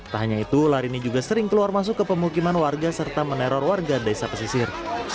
tak hanya itu ular ini juga sering keluar masuk ke pemukiman warga serta meneror warga desa pesisir